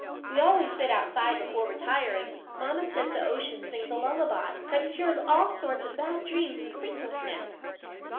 "We always sit outside before retiring. Mamma says the ocean sings a lullaby that cures all sorts of bad dreams and sleeplessness."